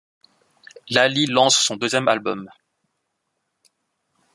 Lali lance son deuxième album.